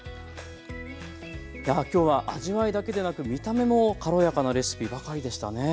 やあ今日は味わいだけでなく見た目も軽やかなレシピばかりでしたね。